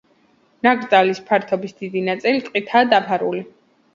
ნაკრძალის ფართობის დიდი ნაწილი ტყითაა დაფარული.